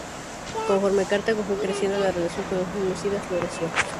Conforme Cartago fue creciendo, la relación con los númidas floreció.